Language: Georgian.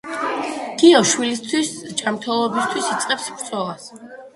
გიო შვილის ჯანმრთელობისთვის იწყებს ბრძოლას.